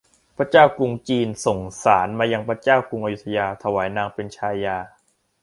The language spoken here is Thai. พระเจ้ากรุงจีนส่งสาสน์มายังพระเจ้ากรุงอโยธยาถวายนางเป็นชายา